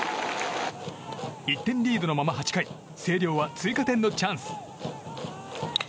１点リードのまま８回星稜は追加点のチャンス。